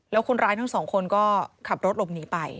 แล้วคนร้ายทั้งสองคนก็ขับรถหลบหนีไป